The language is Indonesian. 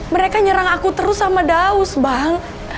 mereka nyerang aku terus sama daus bang